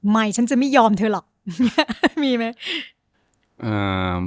ฉันจะไม่ยอมเธอหรอกมีไหม